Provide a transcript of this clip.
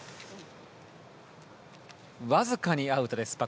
わずかにアウトです。